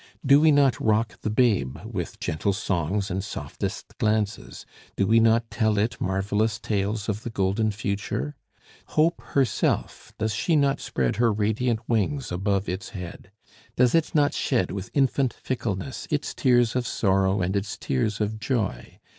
Do we not rock the babe with gentle songs and softest glances? Do we not tell it marvellous tales of the golden future? Hope herself, does she not spread her radiant wings above its head? Does it not shed, with infant fickleness, its tears of sorrow and its tears of joy?